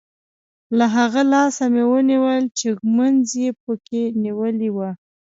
له هغه لاسه مې ونیول چې ږومنځ یې په کې نیولی وو.